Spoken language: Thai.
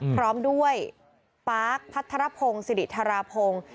พร้อมด้วยปาร์คพัทรพงศิริธาราพงศ์